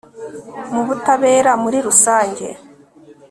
mu butabera muri rusange